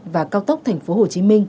và cao tốc thành phố hồ chí minh